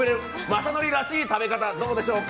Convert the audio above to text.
雅紀らしい食べ方どうでしょうか。